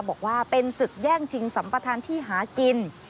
บอกว่าเป็นศึกแย่งชิงสัมปทานที่หากิน